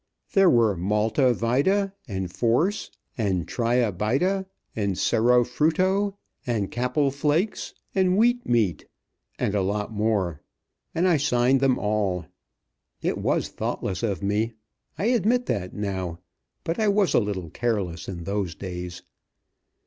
There were Malta Vita and Force and Try a Bita and Cero Fruto and Kapl Flakes and Wheat Meat, and a lot more; and I signed them all. It was thoughtless of me. I admit that now, but I was a little careless in those days.